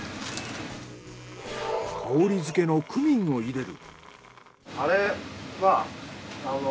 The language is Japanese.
香りづけのクミンを入れる。